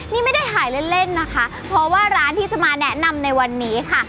นี่ไม่ได้ถ่ายเล่นเล่นนะคะเพราะว่าร้านที่จะมาแนะนำในวันนี้ค่ะ